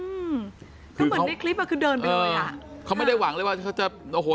อืมคือเหมือนในคลิปอ่ะคือเดินไปเลยอ่ะเขาไม่ได้หวังเลยว่าเขาจะโอ้โห